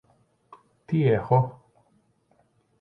Τι έχω;